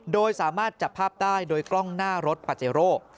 โดยสามารถจับภาพได้โดยกล้องหน้ารถปาเจโร่